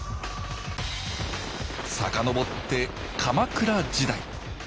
遡って鎌倉時代。